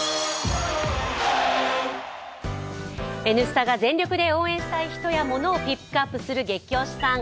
「Ｎスタ」が全力で応援したい人やものをピックアップする「ゲキ推しさん」